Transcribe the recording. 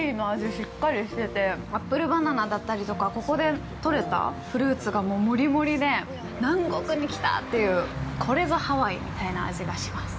しっかりしててアップルバナナだったりとかここで採れたフルーツがもりもりで南国に来た！っていうこれぞハワイみたいな味がします